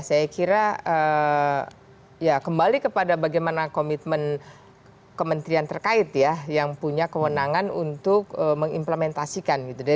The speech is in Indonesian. saya kira ya kembali kepada bagaimana komitmen kementerian terkait ya yang punya kewenangan untuk mengimplementasikan gitu